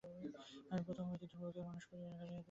আমি প্রথম হইতে ধ্রুবকে মানুষ করিয়া গড়িয়া তুলিব।